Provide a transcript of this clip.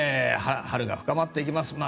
春が深まっていきます。